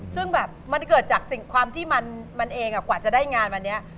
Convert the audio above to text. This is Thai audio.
ซึ่งแบบมันเกิดจากสิ่งความที่มันเองกว่าจะได้งานวันนี้